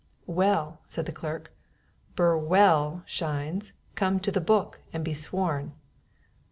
"Well," said the clerk, "Bur well Shines, come to the book, and be sworn."